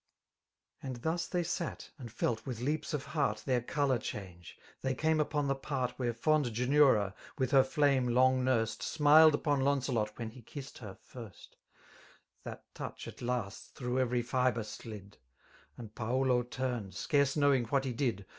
As thus they sat, and felt with leaps of heart Their colour change, they came upon the part Where fond Geneura, with her flame long nurst. Smiled upon Launcelot when he kissed her first :—» That touch, at last^ through every fibre slid; And Paulo turned, scarce knowing what he did.